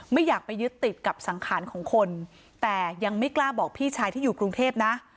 ไม่อยากไปยึดติดกับสังขารของคนแต่ยังไม่กล้าบอกพี่ชายที่อยู่กรุงเทพนะ